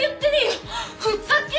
ふざけん。